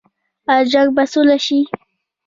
آیا جنګ به سوله شي؟